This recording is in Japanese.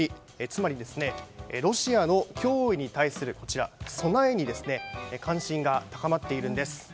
つまりロシアの脅威に対する備えに関心が高まっているんです。